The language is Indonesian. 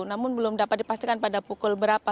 namun belum dapat dipastikan pada pukul berapa